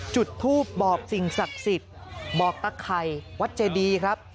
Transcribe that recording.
จุดทูปบอกสิ่งศักดิ์สิทธิ์บอกตะไข่วัดเจดีครับ